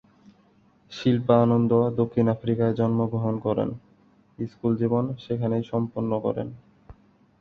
শিল্পা আনন্দ দক্ষিণ আফ্রিকায় জন্মগ্রহণ করেন, স্কুল জীবন সেখানেই সম্পন্ন করেন।